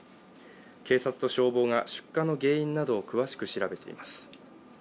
警察と消防が出火の原因などを詳しく調べています。